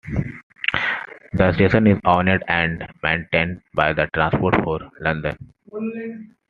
The station is owned and maintained by Transport for London.